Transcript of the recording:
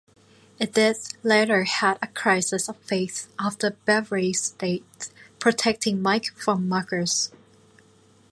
Edith later had a crisis of faith after Beverly's death protecting Mike from muggers.